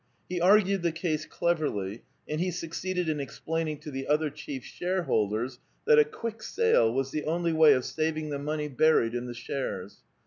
He arguod the case cleverly, and he succeeded in explaining to the other chief shareholders that a quick sale was the only way of saving the money buried in the shares.